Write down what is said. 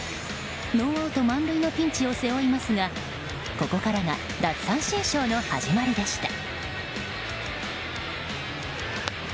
ノーアウト満塁のピンチを背負いますがここからが奪三振ショーの始まりでした。